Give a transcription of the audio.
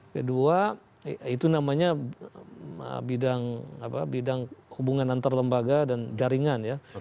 kedua itu namanya bidang hubungan antar lembaga dan jaringan ya